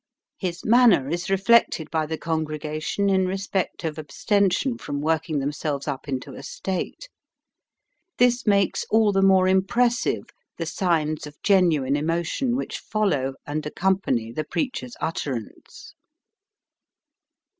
His manner is reflected by the congregation in respect of abstention from working themselves up into "a state." This makes all the more impressive the signs of genuine emotion which follow and accompany the preacher's utterance.